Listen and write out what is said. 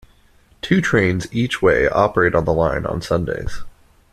Two trains each way operate on the line on Sundays.